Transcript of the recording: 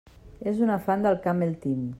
Era una fan del Camel Team.